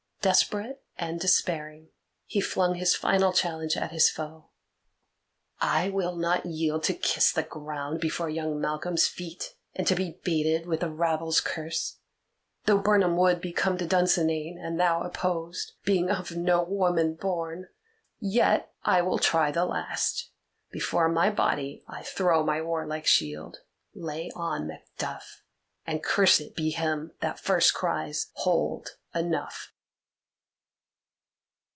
Desperate and despairing, he flung his final challenge at his foe. "I will not yield to kiss the ground before young Malcolm's feet, and to be baited with the rabble's curse! Though Birnam Wood be come to Dunsinane, and thou opposed, being of no woman born, yet I will try the last. Before my body I throw my warlike shield. Lay on, Macduff, and cursed be him that first cries, 'Hold, enough!